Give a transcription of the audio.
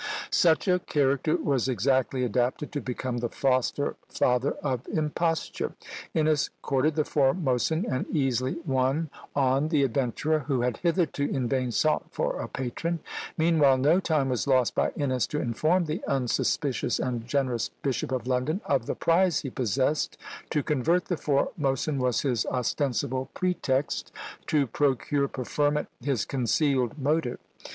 Such a character was exactly adapted to become the foster father of imposture. Innes courted the Formosan, and easily won on the adventurer, who had hitherto in vain sought for a patron. Meanwhile no time was lost by Innes to inform the unsuspicious and generous Bishop of London of the prize he possessed to convert the Formosan was his ostensible pretext; to procure preferment his concealed motive.